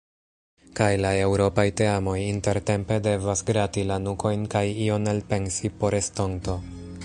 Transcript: Kaj la eŭropaj teamoj intertempe devas grati la nukojn kaj ion elpensi por estonto.